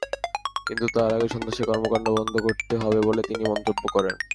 কিন্তু তার আগে সন্ত্রাসী কর্মকাণ্ড বন্ধ করতে হবে বলে তিনি মন্তব্য করেন।